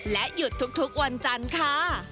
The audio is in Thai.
และหยุดทุกวันจันทร์ค่ะ